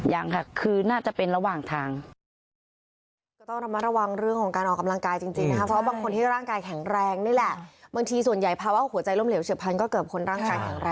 ยังค่ะคือน่าจะเป็นระหว่างทาง